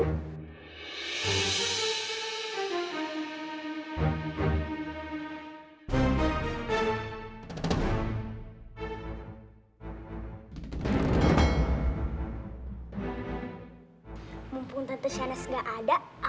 tunggu di sini sebentar ya